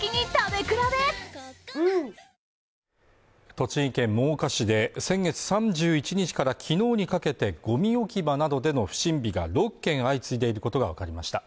栃木県真岡市で先月３１日からきのうにかけてゴミ置き場などでの不審火が６件相次いでいることが分かりました